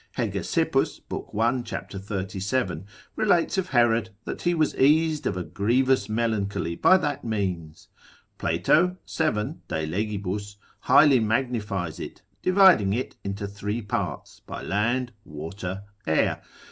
Hegesippus, lib. 1. cap. 37. relates of Herod, that he was eased of a grievous melancholy by that means. Plato, 7. de leg. highly magnifies it, dividing it into three parts, by land, water, air.